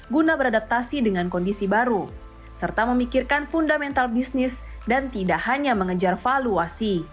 guna beradaptasi dengan kondisi baru serta memikirkan fundamental bisnis dan tidak hanya mengejar valuasi